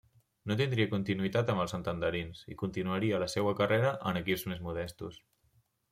No tindria continuïtat amb els santanderins, i continuaria la seua carrera en equips més modestos.